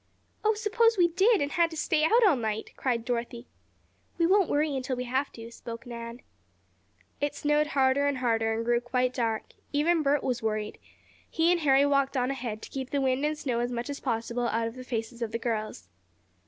"Oh, suppose we did, and had to stay out all night?" cried Dorothy. "We won't worry until we have to," spoke Nan. It snowed harder and harder, and grew quite dark. Even Bert was worried. He and Harry walked on ahead, to keep the wind and snow as much as possible out of the faces of the girls.